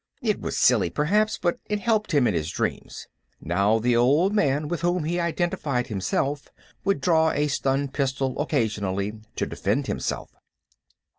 It was silly, perhaps, but it helped him in his dreams. Now, the old man with whom he identified himself would draw a stun pistol, occasionally, to defend himself.